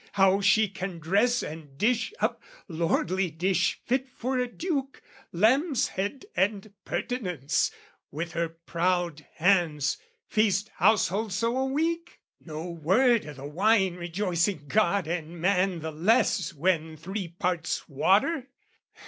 How she can dress and dish up lordly dish Fit for a duke, lamb's head and purtenance With her proud hands, feast household so a week? No word o' the wine rejoicing God and man The less when three parts water?